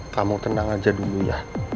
kamu tenang aja dulu ya